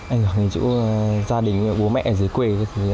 ảnh hưởng đến chỗ gia đình bố mẹ ở dưới quê